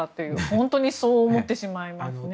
本当にそう思ってしまいますね。